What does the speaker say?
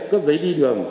cấp giấy đi đường